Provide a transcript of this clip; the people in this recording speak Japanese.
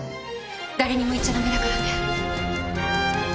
誰にも言っちゃ駄目だからね。